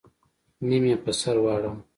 نيم يې په سر واړوه.